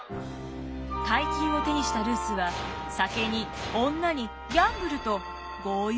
大金を手にしたルースは酒に女にギャンブルと豪遊する日々。